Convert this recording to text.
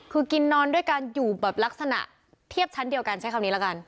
คือกินนอนด้วยกันอยู่แบบลักษณะเทียบชั้นเดียวกันใช้คำนี้ละกัน